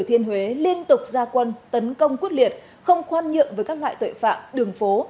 thiên huế liên tục ra quân tấn công quyết liệt không khoan nhượng với các loại tội phạm đường phố